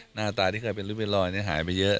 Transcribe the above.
หน้าตาที่เคยเป็นหรือเป็นรอยหายไปเยอะ